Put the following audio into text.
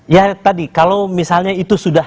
ya tadi kalau misalnya itu sudah